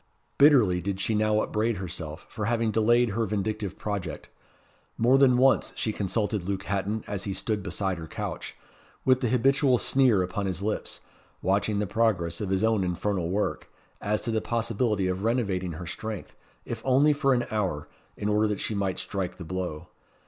Bitterly did she now upbraid herself for having delayed her vindictive project. More than once she consulted Luke Hatton as he stood beside her couch, with the habitual sneer upon his lips, watching the progress of his own infernal work, as to the possibility of renovating her strength, if only for an hour, in order that she might strike the blow.